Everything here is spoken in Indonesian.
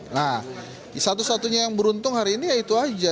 nah satu satunya yang beruntung hari ini ya itu aja